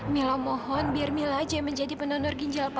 mila mohon biar mila aja menjadi pendonor ginjal pak